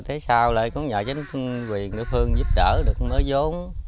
thế sao lại cũng nhờ chính quyền nữ phương giúp đỡ được mới vốn